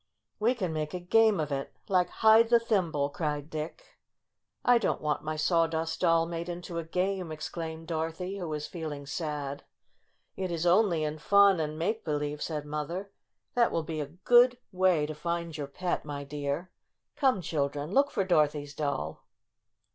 "We can make a game of it — like hide the thimble!" cried Dick. "I don't want my Sawdust Doll made into a game !" exclaimed Dorothy, who was feeling sad. "It is only in fun, and make believe," said Mother. '' That will be a good way to 70 STORY OF A SAWDUST DOLL find your pet, my dear. Come, children, look for Dorothy's doll."